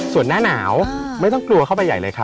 ส่วนหน้าหนาวไม่ต้องกลัวเข้าไปใหญ่เลยค่ะ